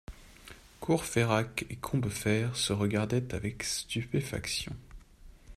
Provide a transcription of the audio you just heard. Courfeyrac et Combeferre se regardaient avec stupéfaction.